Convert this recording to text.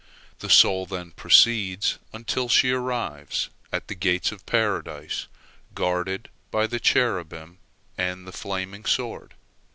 The soul then proceeds until she arrives at the gate of Paradise guarded by the cherubim and the flaming sword.